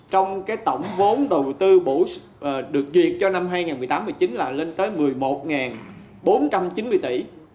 trong tổng vốn đầu tư được duyệt cho năm hai nghìn một mươi tám một mươi chín là lên tới một mươi một bốn trăm chín mươi tỷ